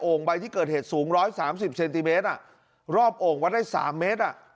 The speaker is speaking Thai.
โอ่งใบที่เกิดเหตุสูงร้อยสามสิบเซนติเมตรอ่ะรอบโอ่งวัดได้สามเมตรอ่ะ